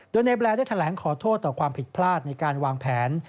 โดยในแบลได้แถลงขอโทษต่อความผิดพลาดในการวางแผน